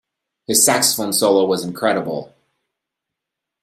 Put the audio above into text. His saxophone solo was incredible.